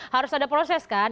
harus ada proses kan